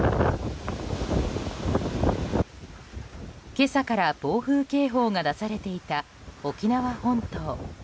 今朝から暴風警報が出されていた沖縄本島。